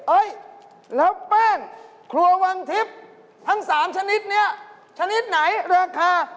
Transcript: แล้วแป้งครัววังทิพย์ทั้ง๓ชนิดนี้ชนิดไหนราคา